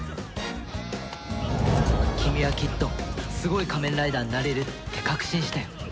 君はきっとすごい仮面ライダーになれるって確信したよ。